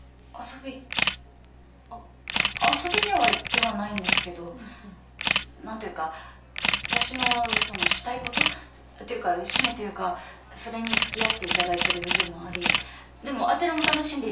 遊びには行ってはないんですけど何ていうか私のしたいことというか趣味というかそれにつきあって頂いている部分もありでもあちらも楽しんで頂いてて。